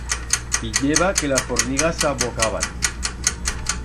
Viyeba que las fornigas s'abocaban.